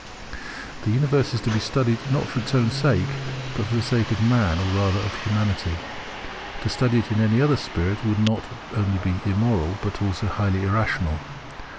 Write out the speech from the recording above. The Universe is to be studied not for its own sake, but for the sake of Man or rather of Humanity. To study it in any other spirit would not only be immoral, but also highly irrational.